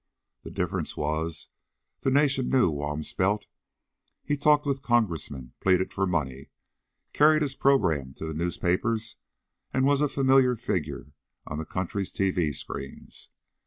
The difference was, the nation knew Walmsbelt. He talked with congressmen, pleaded for money, carried his program to the newspapers and was a familiar figure on the country's TV screens.